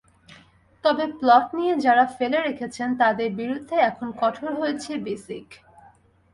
তবে প্লট নিয়ে যাঁরা ফেলে রেখেছেন, তাঁদের বিরুদ্ধে এখন কঠোর হয়েছে বিসিক।